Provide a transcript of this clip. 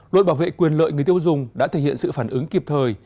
luật bảo vệ quyền lợi người tiêu dùng đã thể hiện sự phản ứng kịp thời